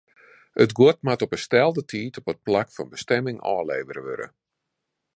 It guod moat op 'e stelde tiid op it plak fan bestimming ôflevere wurde.